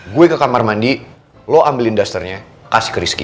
gue ke kamar mandi lo ambilin dusternya kasih ke rizky